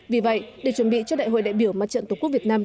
vì vậy để chuẩn bị cho đại hội đại biểu mặt trận tổ quốc việt nam